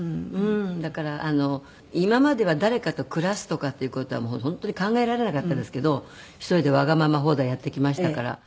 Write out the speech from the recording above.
だから今までは誰かと暮らすとかっていう事は本当に考えられなかったですけど１人でわがまま放題やってきましたから。